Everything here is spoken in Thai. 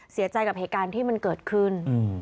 เสียใจกับเหตุการณ์ที่มันเกิดขึ้น